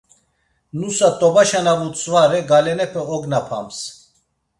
Nusa t̆obașa na vutzvare, galenepe ognapams.